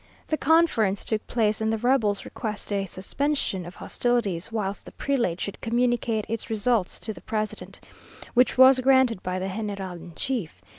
The conference took place, and the rebels requested a suspension of hostilities, whilst the prelate should communicate its results to the president, which was granted by the general in chief.